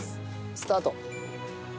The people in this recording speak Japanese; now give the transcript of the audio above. スタート！